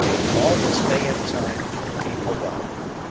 All this may in time be forgotten.